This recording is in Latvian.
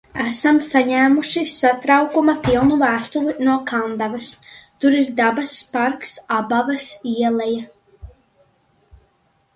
Esam saņēmuši satraukuma pilnu vēstuli no Kandavas. Tur ir dabas parks "Abavas ieleja".